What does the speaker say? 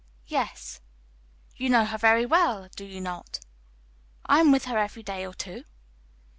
"Yes." "You know her very well; do you not?" "I am with her every day or two."